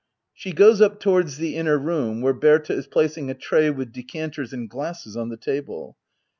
[She goes up towards the inner room, where Berta is placing a tray with decanters and glasses on the table.